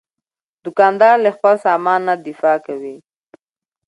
دوکاندار له خپل سامان نه دفاع کوي.